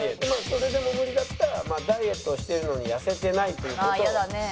それでも無理だったらダイエットをしているのに痩せてないという事をイジると。